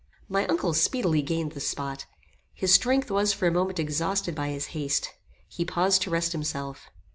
My uncle speedily gained this spot. His strength was for a moment exhausted by his haste. He paused to rest himself.